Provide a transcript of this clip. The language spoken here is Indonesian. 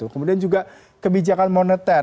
kemudian juga kebijakan moneter